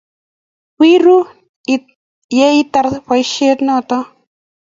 wi ru ye itar boisiet noto